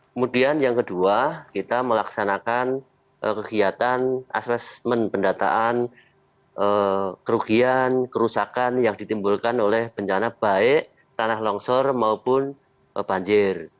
kemudian yang kedua kita melaksanakan kegiatan asesmen pendataan kerugian kerusakan yang ditimbulkan oleh bencana baik tanah longsor maupun banjir